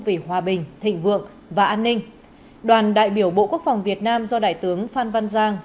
vì hòa bình thịnh vượng và an ninh đoàn đại biểu bộ quốc phòng việt nam do đại tướng phan văn giang